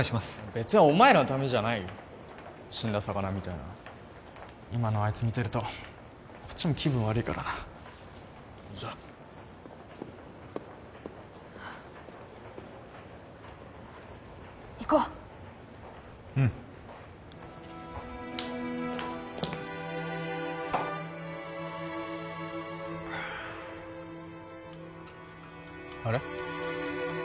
別にお前らのためじゃないよ死んだ魚みたいな今のあいつ見てるとこっちも気分悪いからなじゃあ行こううんあれ？